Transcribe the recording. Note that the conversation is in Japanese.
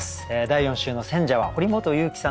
第４週の選者は堀本裕樹さんです。